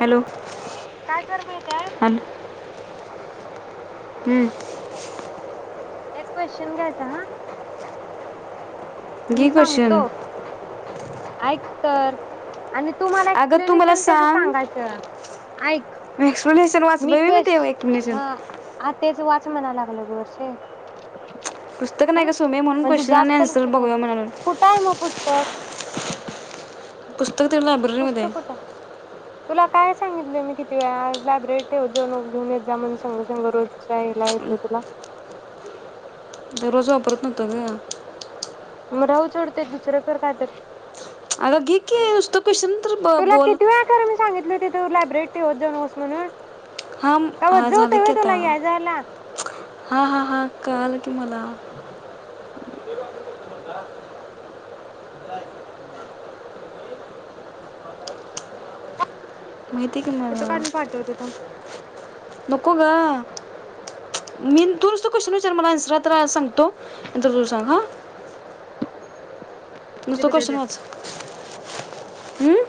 Hello काय कर माहित आहे हॅलो [inaudible] हम्म एक क्वेश्चन घ्यायचा हा मी घे क्वेश्चन सांगतो ऐक तर आणि तुम्हाला अगं तू मला एक्सप्लेनेशन त्याच सांग सांगायचं ऐक एक्सप्लेनेशन मि वाचलोय बे मी ते क्वेश्च एक्सप्लेनेशन हा हा तेच वाच तुम्हाला लागलं ग वर्षे पुस्तक ह नाही का सोमे म्हणून म्हणजे क्वेश्चनने आणि जास्त आन्सर लक्ष करायचं बघूया म्हणाले कुठं आहे मग पुस्तक [inaudible] [inaudible] तर काय लायब्ररीमध्ये... पुस्तक कुठं आहे? तुला काय सांगितले मी किती वेळा लायब्ररीत ठेव जाेऊन घेऊन येत जा म्हण संग संघ रोजच्याला येत तुला. दररोज वापरत नव्हत ग.. मग राहू सोड ते दुसरं कर काय तर.. अग घे की नुसत क्वेशन तरी बोल? लायब्ररी त ठेवत जाऊस नको म्हणून..... हा हा कावत जाऊत झालं की हो आता तुला याय जायला... हा हा हा कळाल की मला... माहिती की मला. फोटो काढून पाठवतो थांब नको ग मी तू नुसत क्वेस्शन विचार मला तू अन्सर सांगतो नंतर तू सांग ह.. नुसत क्वेशन कोणता वाच... हम्म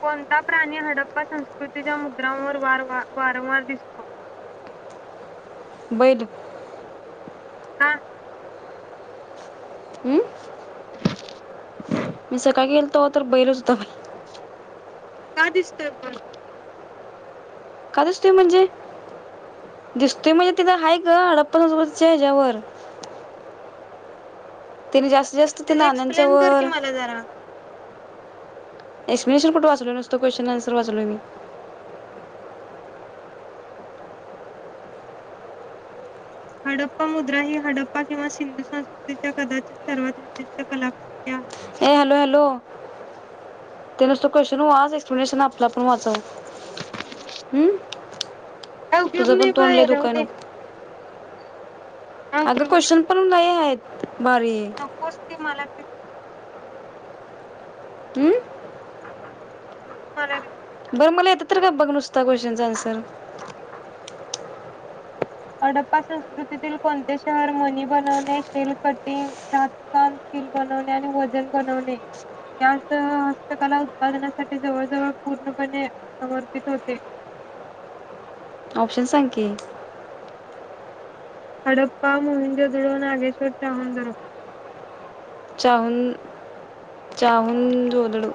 कोणता प्राणी हडप्पा संस्कृतीच्या मुद्रांवर वारवा वारंवार दिसतो? बैल..... हा हं? मी सकाळी गेलतो तर बैल च होता.. का दिसतो का दिसतोय म्हणजे दिसतोय म्हणजे तिथं ह ग अडप पन्नास रुपच्या ह्याच्यावर... तिने जास्त... जास्त ते नाण्याच्या एक्सप्लेन कर की वर... मला जरा एक्सप्लेनेशन कुठं वाचलय नसत क्वेश्न्सर वाचवलय मी हडप्पा मुद्रा ही हडप्पा किंवा सिंधू संस्कृतीच्या कदाचित सर्वात विशिष्ट कलाकृत्य आहे. ए हॅलो हॅलो ते नुसतं क्वेशचन वाच एक्सप्लेनेशन आपलं आपण वाचव आम.... काय उपयोग तुझं पण नाही तोंड लय बाहेर दुकाय राहूदे नको... काय अग उपयोग नाही क्वेस्शन पण लई हायत.. ह नकोच ते मला.... आम् [inaudible] बरं मला येतं तर का बघ नुसता क्वेश्चनचा आन्सर हडप्पा संस्कृतीतील कोणते शहर मणी बनवणे, शेल कटिंग, धातूकाम, सील बनवणे, आणि वजन बनवणे यासह हस्तकला उत्पादनासाठी जवळजवळ पूर्णपणे समर्पित होते. ऑप्शन सांग की हडप्पा मोहिंज धुडो नागेश्वर ाहूनधरो... चाहून चाहून जोदडू....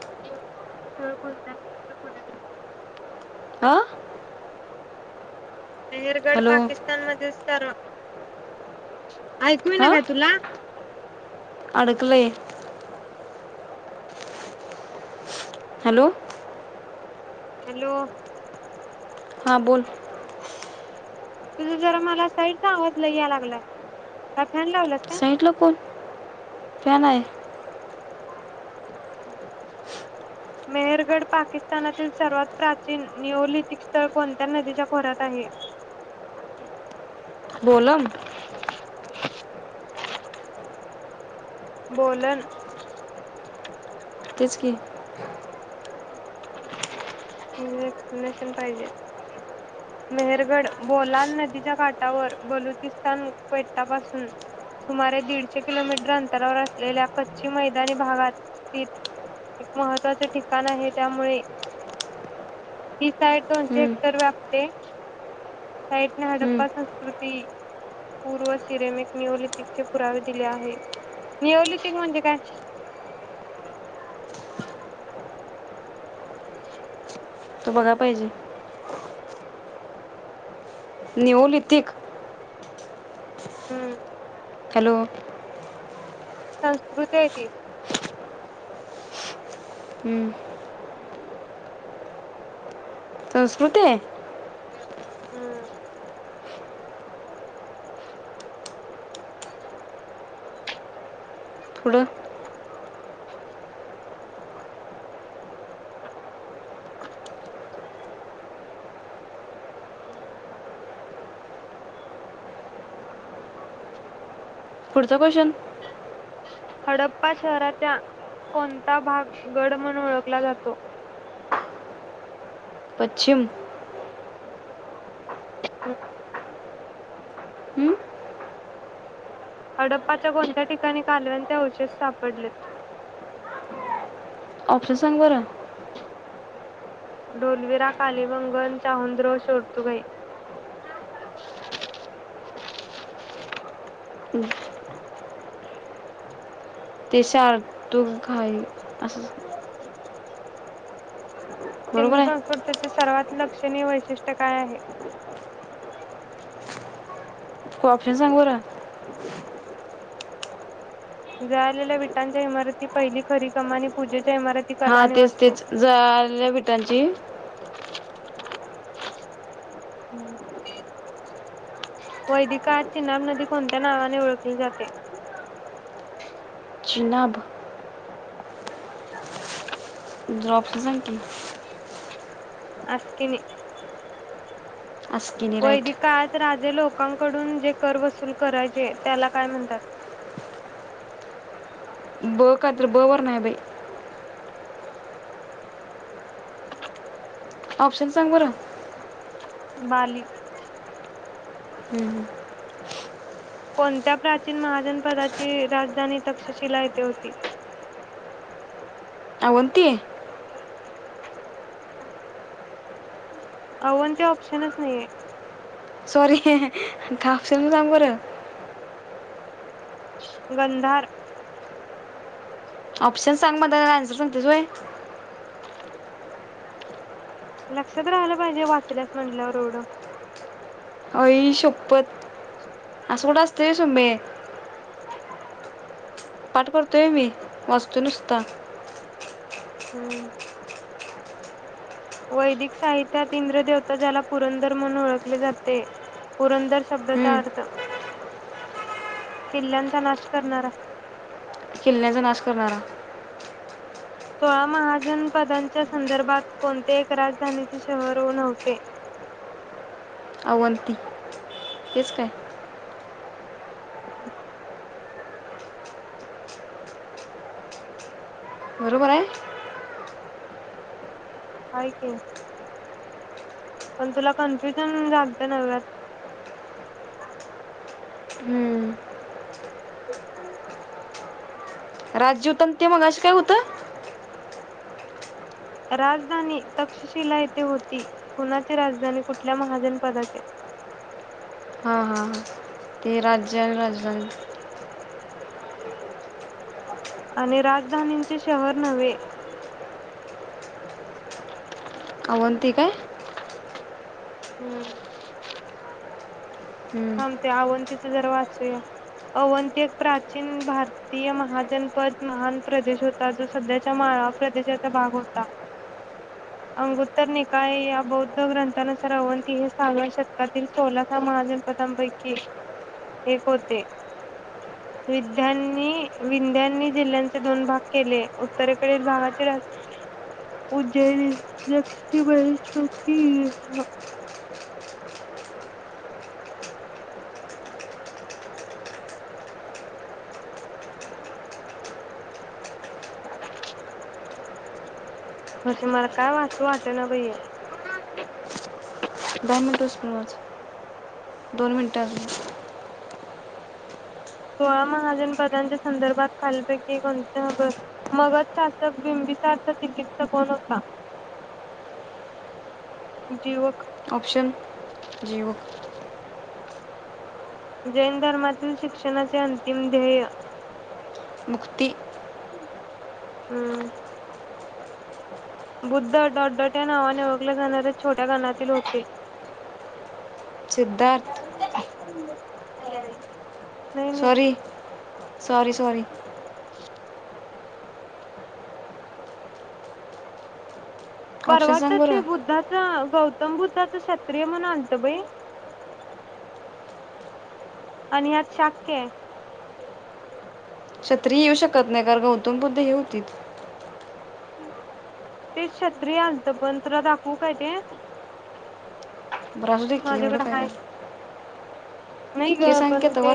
[inaudible] हा मिहेरगड हॅलो पाकिस्तान मध्येच तर... [inaudible] ऐकू येईना का तुला? अडकलय हॅलो हॅलो हा बोल तुझा जरा मला साईडचा आवाजला लय याला लागलाय फॅन लावलास का साईटला कोण... फॅन आहे. मेहरगड पाकिस्तानातील सर्वात प्राचीन निओलिथिक स्थळ कोणत्या नदीच्या खोऱ्यात आहे? बोलम बोलण... तेच की एक्सप्लेनेशन पाहिजे.. मेहरगड बोलान नदीच्या कााटावर बलुचिस्तान को्वेटा पाासून सुमारे दीडशे किलोमीटर अंतरावर असलेल्या कच्ची मैदानी भागातित एक महत्वाचे ठिकाण आहे त्यामुळे.... ती साईड दोनशे हम्म, हेक्टर व्यापते... साईटने हम्म. हडप्पा संस्कृती पूर्व सिरेमिक नियोलितिक चे पुरावे दिले आहे नियोलितिक म्हणजे काय? तू बघाय पाहिजे....... नियोलितिक हम्म हॅलो संस्कृते की..... हम्म. संस्कृते... हम् पुढ [inaudible] पुढचा क्वशन? हडप्पा शहराचा कोणता भाग गड म्हणून ओळखला जातो.. पश्चिम हम् हम्म. हडप्पाच्या कोणत्या ठिकाणी कालव्यांचे अवशेष सापडले? ऑप्शन सांग बर ढोलविरा कालिबंगन चाहुद्रो शोर्तुगाई हम्म. तेच्याडतो काय.. अस् ह सिंधू आहे संस्कृतीचे सर्वात.. लक्षणीय वैशिष्ट्य काय आहे? हो ऑप्शन सांग बर... जालेल्या विटांच्या इमारती पहिली खरी कमानी पूजे.. हा तेच तेच जळालेल्या विटांची.. वैदिकज चिननाब नदी कोणत्या नावाने ओळखली जाते? जिनाब [inaudible] ऑप्शन सांग की.. आ स्किनी अस्किनी वैद राईट कायत राजे लोक.. लोकांकडून जे कर वसूल करायचे त्याला काय म्हणतात? [unintelligible] ऑप्शन सांग बरं? हम्म. [unintelligible] कोणत्या प्राचीन महाजनपदाची राजधानी तक्षशिला येथे होती? अवंती अवंती ऑप्शनच नाहीये? सॉरी हीं हा अ ऑप्शन सांग बर? गंधार ऑप्शन सांग मग त्याला आन्सर सांगितस वय? [unintelligible] लक्षात राहालं पाहिजे वाचल्यास म्हटल्यावर एवढं आई शप्पत असं कुठे असतय सुबे पाठ करतोय मी वाचतो नुसता हम्म वैदिक साहित्यात इंद्रदेवता ज्याला पुरंदर म्हणून ओळखले जाते पुरंदर शब्दाचा हम्म, अर्थ किल्ल्यांचा नाश करणारा किल्याचा नाश करणारा सोळा महाजनपदांच्या संदर्भात कोणते एक राजधानीचे शहर व नव्हते अवंती [inaudible] तेच काय? बरोबर हाय हाय की पण तुला कन्फ्युजन झालत नव्यात हम्म, [inaudible] राज्यतंम ते मगाशी काय होत? राजधानी तक्षशिला येथे होती कुणाची राजधानी कुठल्या महाजनपदाचे तेरा जयरंजन आणि राजधानीचे शहर नव्हे अवनंती काय? हम्म हम्म, हमते अवनंती त जरा वाचूया अवंती एक प्राचीन भारतीय महाजनपद महान प्रदेश होता जो सध्याच्या माळा प्रदेशाचा भाग होता अंगोत्तर निकाय या बौद्ध ग्रंथानुसार अवंती हे सारव्या शतकातील सोलाचा महाजन पतांपैकी एक होते विध्यांनी विंध्यांनी जिल्ह्यांचे दोन भाग केले उत्तरेकडील भावाचे राज उज्जै बशती असे मला काय वाचू वाट ना भैया दहा मिंट पच दोन मिनट सोळा महाजन पदांच्या संदर्भात खालीलपैकी कोणतबर मगच शासक बिंबिसार्थ चिकित्स कोण होता जीवक ऑप्शन जिव जैन धर्मातील शिक्षणाचे अंतिम ध्येय [inaudible] मुक्ती हम्म बुद्ध डॉट डॉट या नावाने ओळखल्या जाणाऱ्या छोट्या गानातील होते Siddharth [unintelligible] [unintelligible] sorry sorry sorry option परवाच सांग ते बरं बुद्धाच गौ सम बुद्धाचं क्षत्रीय म्हण आणत बाई आणि आत शाक्य क्षत्रिय येऊ शकत नाही कारण गौतम बुद्ध हे होतीत ते छत्री हलत पन तुला दाखवू काय ते? राहू दे की एवढं माझ्याकडे काय हाय त्यात नाही ग पण ते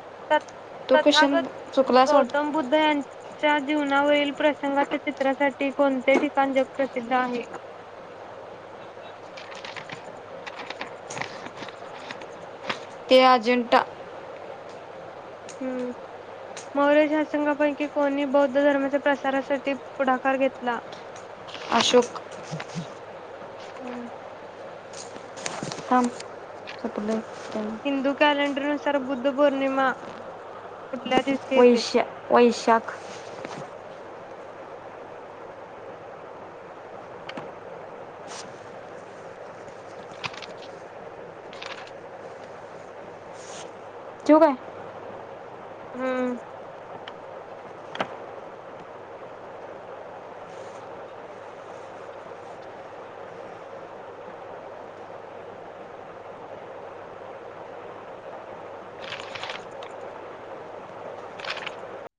[unintelligible] तो क्वेश्चन तथागत चुकला असं गौतम वाटतं बुद्ध यां च्या जीवनावरील प्रसंगाच्या चित्रासाठी कोणते ठिकाण जगप्रसिद्ध आहे? ते आजंटा हम्म मौर्य शासंघापैकी कोणी बौद्ध धर्माच्या प्रसारासाठी पुढाकार घेतला? अशोक हम् हं सपलय हिंदू कॅलेंडर चर बुद्ध पौर्णिमा कुठल्या दिवशी येते वैश्य वैशाख ठेवू काय? हम्म